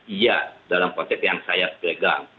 iya dalam konsep yang saya pegang